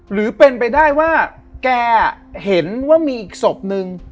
หรือเป็นไปได้ว่าแกเห็นว่ามีอีกศพนึง